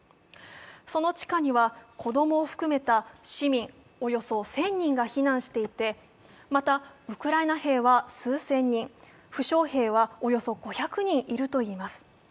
その地下には子どもを含めた市民およそ１０００人が避難していてまたウクライナ兵は数千人、負傷兵はおよそ５００人いるといいます。